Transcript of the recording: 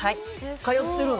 通ってるの？